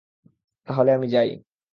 তাহলে, আমি যাই।